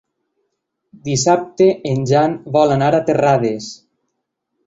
Dissabte en Jan vol anar a Terrades.